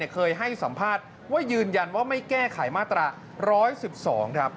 เคยให้สัมภาษณ์ว่ายืนยันว่าไม่แก้ไขมาตรา๑๑๒ครับ